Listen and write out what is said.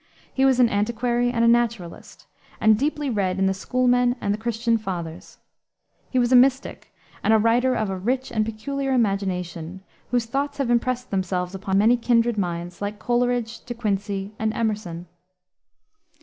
He was an antiquary and a naturalist, and deeply read in the schoolmen and the Christian fathers. He was a mystic, and a writer of a rich and peculiar imagination, whose thoughts have impressed themselves upon many kindred minds, like Coleridge, De Quincey, and Emerson.